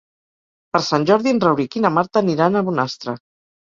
Per Sant Jordi en Rauric i na Marta aniran a Bonastre.